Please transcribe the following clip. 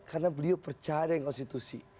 karena beliau percaya konstitusi